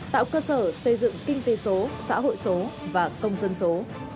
tạo cơ sở xây dựng kinh tế số xã hội số và công dân số